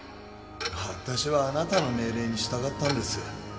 私はあなたの命令に従ったんです。